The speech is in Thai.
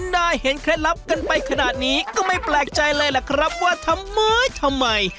ได้เห็นเคล็ดลับกันไปขนาดนี้ก็ไม่แปลกใจเลยแหละครับว่าทำไมทำไม